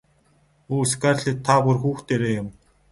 Өө Скарлетт та бүр хүүхдээрээ юм.